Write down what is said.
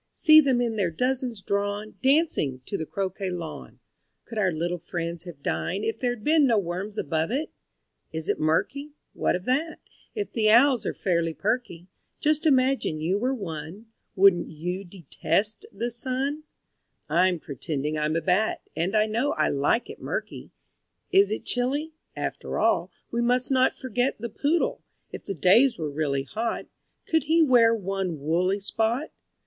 See them in their dozens drawn, Dancing, to the croquet lawn Could our little friends have dined If there'd been no worms above it? Is it murky? What of that, If the Owls are fairly perky? Just imagine you were one Wouldn't you detest the sun? I'm pretending I'm a Bat, And I know I like it murky. Is it chilly? After all, We must not forget the Poodle. If the days were really hot, Could he wear one woolly spot?